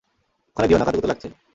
ওখানে দিও না, কাতুকুতু লাগছে।